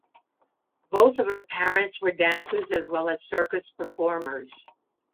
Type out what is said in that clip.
Both of her parents were dancers as well as circus performers.